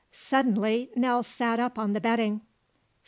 Suddenly Nell sat up on the bedding.